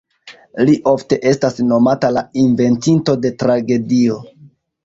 Li ofte estas nomata la ""Inventinto de Tragedio"".